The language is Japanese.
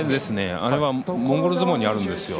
あれはモンゴル相撲にあるんですよ。